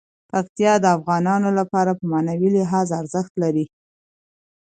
پکتیا د افغانانو لپاره په معنوي لحاظ ارزښت لري.